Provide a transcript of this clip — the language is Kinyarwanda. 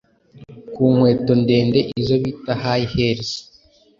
ku nkweto ndende izo bita ‘high heels’